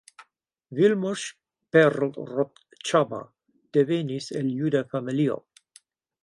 Vilmos Perlrott-Csaba devenis el juda familio.